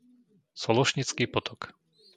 Sološnický potok